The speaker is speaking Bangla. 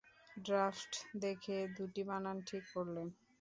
ড্রাফট দেখে দুটা বানান ঠিক করলেন।